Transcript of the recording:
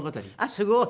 すごい！